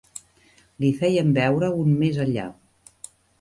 Li feien veure un més enllà